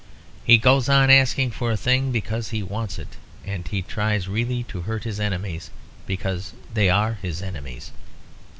He goes on asking for a thing because he wants it; and he tries really to hurt his enemies because they are his enemies.